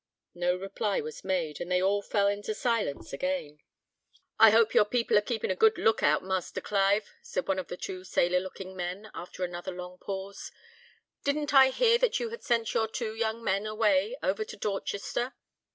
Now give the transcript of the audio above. No reply was made, and they all fell into silence again. "I hope your people are keeping a good look out, Master Clive," said one of the two sailor looking men, after another long pause. "Didn't I hear that you had sent your two young men away over to Dorchester?"